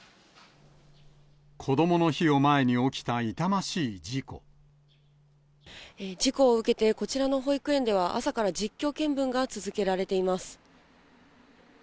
こどもの日を前に起きた痛ま事故を受けて、こちらの保育園では、朝から実況見分が続けられています。